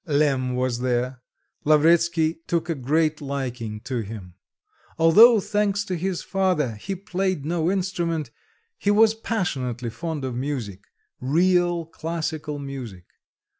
Lemm was there; Lavretsky took a great liking to him. Although thanks to his father, he played no instrument, he was passionately fond of music, real classical music.